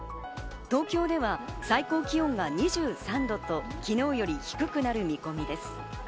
東京では最高気温が２３度と、昨日より低くなる見込みです。